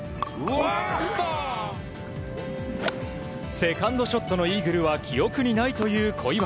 セカンドショットのイーグルは記憶にないという小祝。